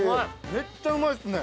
めっちゃうまいっすね。